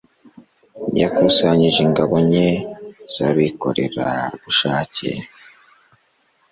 Yakusanyije ingabo nke zabakorerabushake.